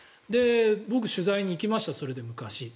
僕、取材に行きましたそれで、昔。